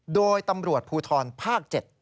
โดยตำรวจภูทรภาค๗